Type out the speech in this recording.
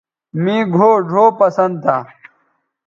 مے گھؤ ڙھؤ پسند تھا